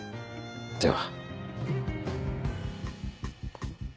では。